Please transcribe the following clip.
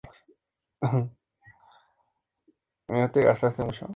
A las tradicionales formaciones de pop, se añadía una sección de viento.